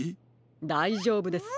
だいじょうぶです。